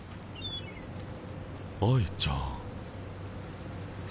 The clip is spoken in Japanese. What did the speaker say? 愛ちゃん。